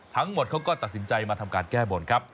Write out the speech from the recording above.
ทั้งหมดเขาก็ตัดสินใจมาทำการแก้บนครับ